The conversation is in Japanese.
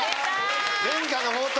伝家の宝刀